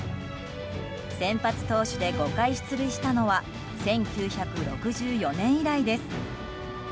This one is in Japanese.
先発投手で５回出塁したのは１９６４年以来です。